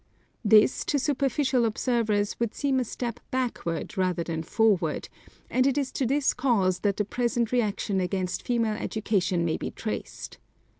This to superficial observers would seem a step backward rather than forward, and it is to this cause that the present reaction against female education may be traced.